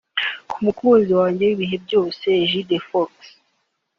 “Ku mukunzi wanjye w’ibihe byose Egide Fox